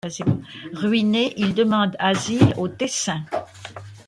Ruiné, il demande asile au Tessin.